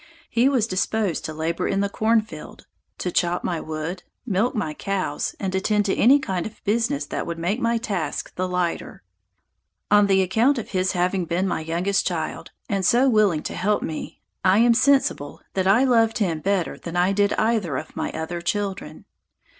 He was disposed to labor in the cornfield, to chop my wood, milk my cows, and attend to any kind of business that would make my task the lighter. On the account of his having been my youngest child, and so willing to help me, I am sensible that I loved him better than I did either of my other children.